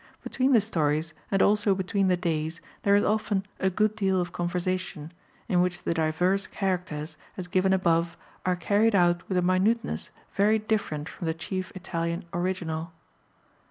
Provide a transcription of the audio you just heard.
Between the stories, and also between the days, there is often a good deal of conversation, in which the divers characters, as given above, are carried out with a minuteness very different from the chief Italian original.